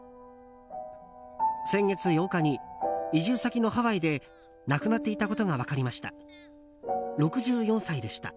先月８日に、移住先のハワイで亡くなっていたことが分かりました。